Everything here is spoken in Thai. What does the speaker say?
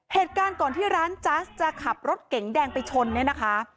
เหตุการณ์ก่อนที่ร้านจัสจะขับรถเก๋งแดงไปชนเนี่ยนะคะ